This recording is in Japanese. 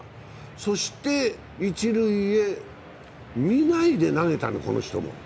そして一塁へ見ないで投げたんだ、この人も。